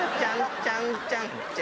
ちゃんちゃんちゃん。